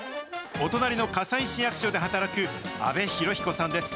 お隣の加西市役所で働く阿部裕彦さんです。